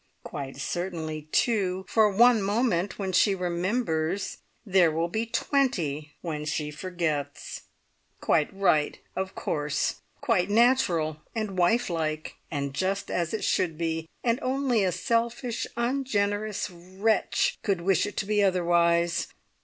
Quite certainly, too, for one moment when she remembers, there will be twenty when she forgets. Quite right, of course! Quite natural, and wife like, and just as it should be, and only a selfish, ungenerous wretch could wish it to be otherwise.